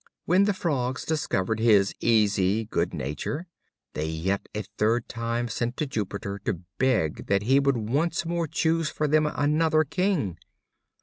When the Frogs discovered his easy good nature, they yet a third time sent to Jupiter to beg that he would once more choose for them another King.